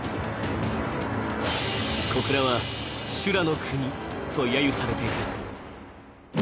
小倉は修羅の国とやゆされていた。